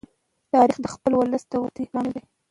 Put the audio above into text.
تاریخ د خپل ولس د وده لامل دی.